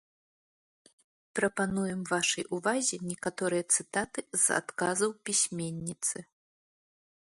Прапануем вашай увазе некаторыя цытаты з адказаў пісьменніцы.